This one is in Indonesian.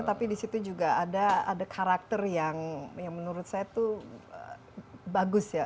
tapi disitu juga ada karakter yang menurut saya tuh bagus ya